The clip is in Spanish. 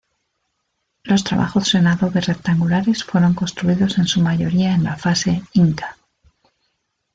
Los trabajos en adobe rectangulares fueron construidos en su mayoría en la fase inca.